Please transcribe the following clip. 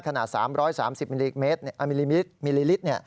ขณะ๓๓๐มิลลิลิตร